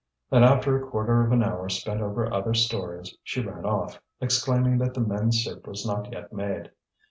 And after a quarter of an hour spent over other stories, she ran off, exclaiming that the men's soup was not yet made.